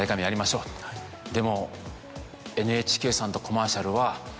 「でも」。